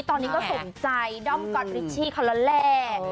ตอนนี้ก็สนใจด้อมก๊อตลงกับลิชช์เขาแล้ว